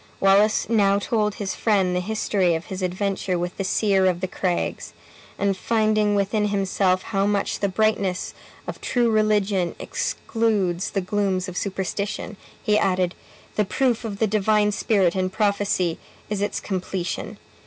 Wallace now told his friend the history of his adventure with the seer of the craigs, and finding within himself how much the brightness of true religion excludes the glooms of superstition, he added, "The proof of the Divine Spirit in prophecy is its completion.